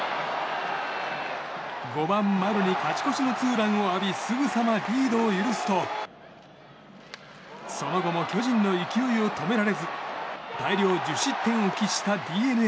５番、丸に勝ち越しのツーランを浴びすぐさまリードを許すとその後も巨人の勢いを止められず大量１０失点を喫したＤｅＮＡ。